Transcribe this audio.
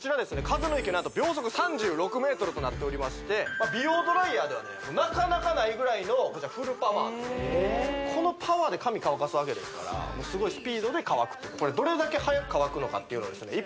風の勢い何と秒速３６ｍとなっておりまして美容ドライヤーではねなかなかないぐらいのフルパワーこのパワーで髪乾かすわけですからすごいスピードで乾くとどれだけ早く乾くのかっていうのをですね